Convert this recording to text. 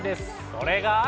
それが？